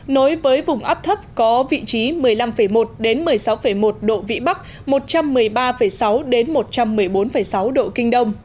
nối với vùng áp thấp có vị trí một mươi năm một một mươi sáu một độ vĩ bắc một trăm một mươi ba sáu một trăm một mươi bốn sáu độ kinh đông